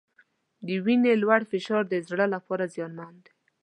د وینې لوړ فشار د زړه لپاره زیانمن دی.